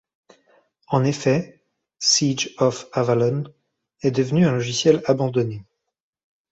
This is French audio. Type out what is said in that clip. En effet, Siege of Avalon est devenu un logiciel abandonné.